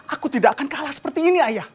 aku tidak akan kalah seperti ini ayah